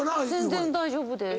全然大丈夫です。